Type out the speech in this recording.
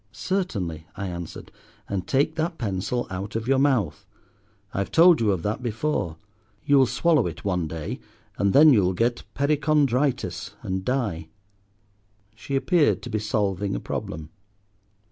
"Certainly," I answered; "and take that pencil out of your mouth. I've told you of that before. You'll swallow it one day, and then you'll get perichondritis and die." She appeared to be solving a problem.